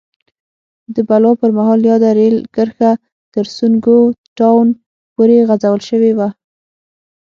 د بلوا پر مهال یاده رېل کرښه تر سونګو ټاون پورې غځول شوې وه.